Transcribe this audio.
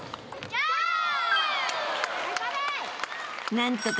［何とか］